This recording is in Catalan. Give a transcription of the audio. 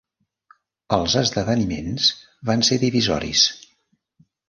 Els esdeveniments van ser divisoris.